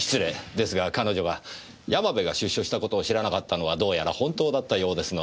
ですが彼女が山部が出所したことを知らなかったのはどうやら本当だったようですので。